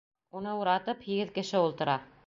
Уны уратып, һигеҙ кеше ултыра.